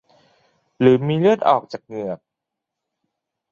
หรือมีเลือดออกจากเหงือก